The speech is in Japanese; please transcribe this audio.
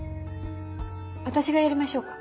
私がやりましょうか。